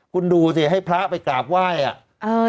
คุณดูสิให้พระไปกราบไหว้อ่ะ